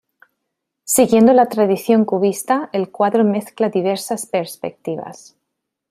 Siguiendo la tradición cubista, el cuadro mezcla diversas perspectivas.